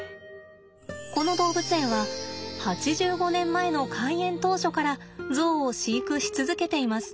この動物園は８５年前の開園当初からゾウを飼育し続けています。